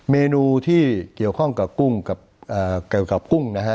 เมนูที่เกี่ยวข้องกับกุ้งเกี่ยวกับกุ้งนะฮะ